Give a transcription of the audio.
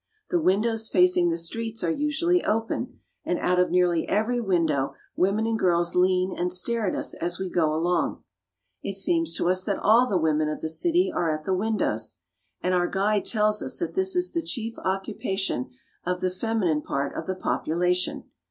The windows facing the streets are usually open, and out of nearly every window women and girls lean and stare at us as we go along. It seems to us that all the women of the city are at the windows, and our guide tells us that this is the chief occupation of the feminine part of the population.